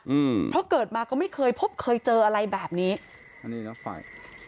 อืมเพราะเกิดมาก็ไม่เคยพบเคยเจออะไรแบบนี้อันนี้แล้วไฟ